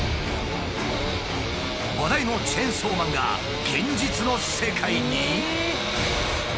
話題のチェンソーマンが現実の世界に？